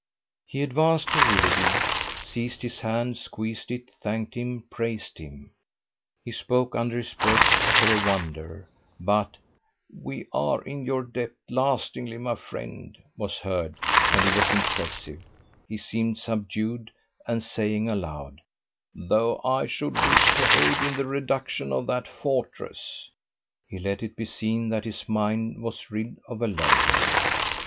He advanced to Willoughby, seized his hand, squeezed it, thanked him, praised him. He spoke under his breath, for a wonder; but: "We are in your debt lastingly, my friend", was heard, and he was impressive, he seemed subdued, and saying aloud: "Though I should wish to aid in the reduction of that fortress", he let it be seen that his mind was rid of a load.